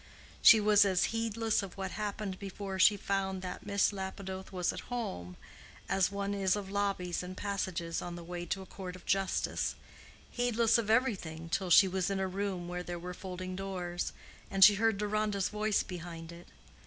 She was as heedless of what happened before she found that Miss Lapidoth was at home, as one is of lobbies and passages on the way to a court of justice—heedless of everything till she was in a room where there were folding doors, and she heard Deronda's voice behind it.